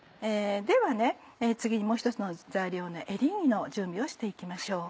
では次にもう１つの材料のエリンギの準備をして行きましょう。